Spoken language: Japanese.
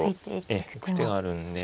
ええ行く手があるんで。